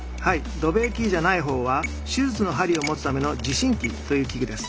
ドベーキーじゃない方は手術の針を持つための持針器という器具です。